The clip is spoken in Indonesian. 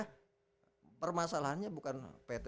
tapi permasalahannya bukan ptnya punya